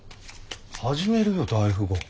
始めるよ大富豪。